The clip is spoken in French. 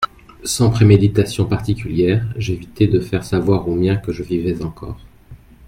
Sans préméditation particulière, j’évitai de faire savoir aux miens que je vivais encore.